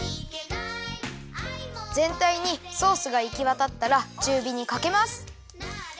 ぜんたいにソースがいきわたったらちゅうびにかけます。